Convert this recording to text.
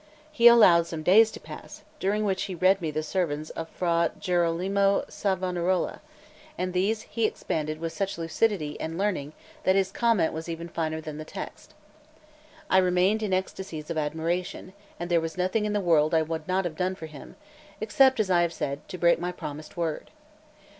He allowed some days to pass, during which he read me the sermons of Fra Jerolimo Savonarola; and these he expounded with such lucidity and learning that his comment was even finer than the text. I remained in ecstasies of admiration; and there was nothing in the world I would not have done for him, except, as I have said, to break my promised word.